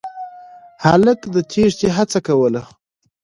هلک د تېښتې هڅه کوله.